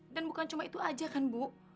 dan bukan cuma itu aja kan bu